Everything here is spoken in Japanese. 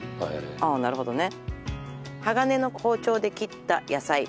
ああなるほどね